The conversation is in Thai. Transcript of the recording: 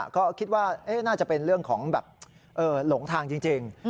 ก็คิดว่าน่าจะเป็นเรื่องของแบบหลงทางจริง